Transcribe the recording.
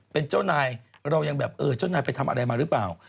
เป็นเจ้านายเรายังแบบเออเจ้านายไปทำอะไรมาหรือเปล่า